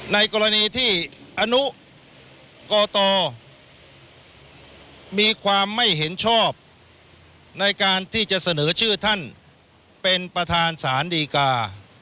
ในกรณีที่อนุกตมีความไม่เห็นชอบในการที่จะเสนอชื่อท่านเป็นประธานสารดีกา